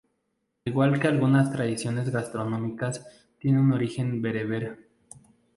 Al igual que algunas tradiciones gastronómicas, tiene un origen bereber.